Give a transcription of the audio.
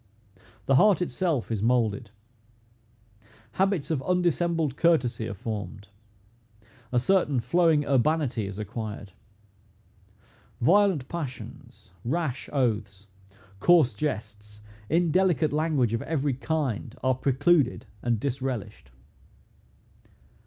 The heart itself is moulded. Habits of undissembled courtesy are formed. A certain flowing urbanity is acquired. Violent passions, rash oaths, coarse jests, indelicate language of every kind, are precluded and disrelished.